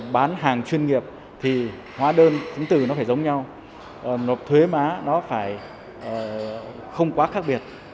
bán hàng chuyên nghiệp thì hóa đơn chứng từ nó phải giống nhau nộp thuế má nó phải không quá khác biệt